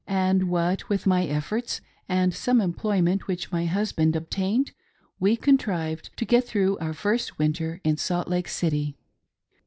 And what with my efforts, and some employment which my husband obtained, we contrived to get through our first, winter in Salt Lake City.